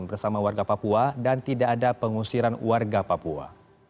bersama warga papua dan tidak ada pengusiran warga papua